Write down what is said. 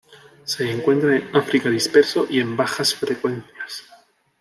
Se encuentra en África disperso y en bajas frecuencias.